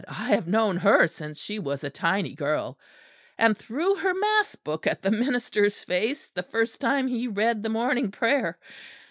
"I have known her since she was a tiny girl, and threw her mass book at the minister's face the first time he read the morning prayer.